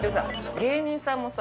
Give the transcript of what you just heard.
芸人さんもさ